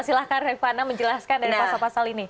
silahkan rifana menjelaskan dari pasal pasal ini